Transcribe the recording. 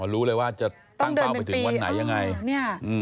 อ๋อรู้เลยว่าจะตั้งเป้าไปถึงวันไหนอย่างไร